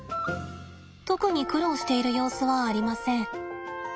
特に苦労している様子はありません。